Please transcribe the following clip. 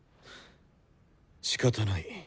しかたない。